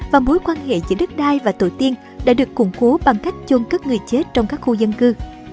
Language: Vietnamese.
và mối quan hệ giữa đất đai và tổ tiên đã được củng cố bằng cách chôn cất người chết trong các khu dân cư